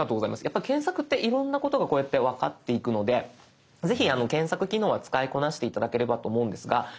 やっぱ検索っていろんなことがこうやって分かっていくのでぜひ検索機能は使いこなして頂ければと思うんですが。